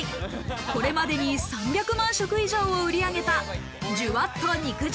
これまでに３００万食以上を売り上げた「じゅわっと肉汁！！！